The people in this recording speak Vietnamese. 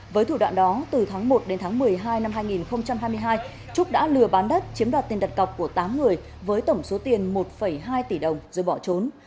với thủ đoạn đó từ tháng một đến tháng một mươi hai năm hai nghìn hai mươi hai trúc đã lừa bán đất chiếm đoạt tiền đặt cọc của tám người với tổng số tiền một hai tỷ đồng rồi bỏ trốn